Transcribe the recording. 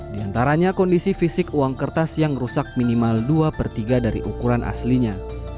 di antaranya kondisi fisik uang kertas yang rusak minimal dua per tiga dari ukuran aslinya